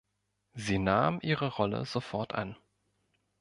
Sie nahm ihre Rolle sofort an.